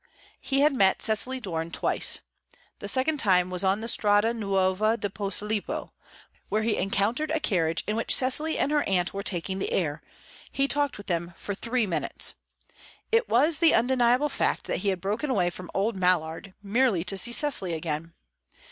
He had met Cecily Doran twice. The second time was on the Strada Nuova di Posillipo, where he encountered a carriage in which Cecily and her aunt were taking the air; he talked with them for three minutes. It was the undeniable fact that he had broken away from "old Mallard" merely to see Cecily again.